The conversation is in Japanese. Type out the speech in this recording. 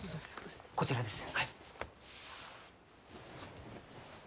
こちらです。